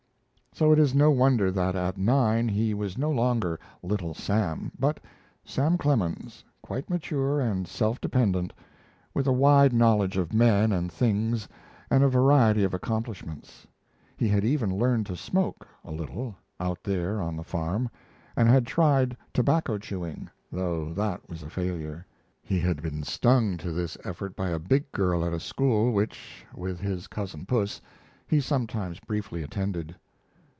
So it is no wonder that at nine he was no longer "Little Sam," but Sam Clemens, quite mature and self dependent, with a wide knowledge of men and things and a variety of accomplishments. He had even learned to smoke a little out there on the farm, and had tried tobacco chewing, though that was a failure. He had been stung to this effort by a big girl at a school which, with his cousin Puss, he sometimes briefly attended.